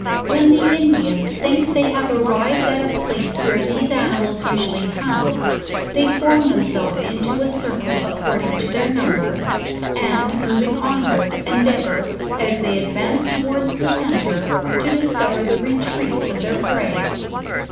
When the Indians think they have arrived at a place where these animals usually haunt, they form themselves into a circle according to their number, and moving onward, endea vor, as they advance towards the centre, to discover the re treats of their prey.